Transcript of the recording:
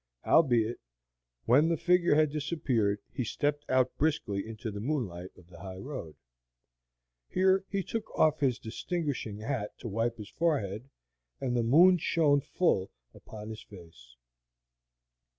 Howbeit, when the figure had disappeared he stepped out briskly into the moonlight of the high road. Here he took off his distinguishing hat to wipe his forehead, and the moon shone full upon his face.